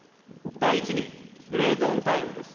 第１に、グレーゾーン対応です。